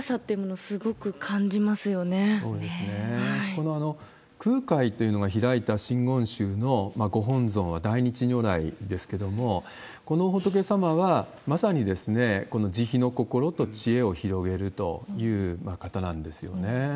この空海というのが開いた真言宗のご本尊は大日如来ですけれども、この仏様はまさに、この慈悲の心と知恵を広げるという方なんですよね。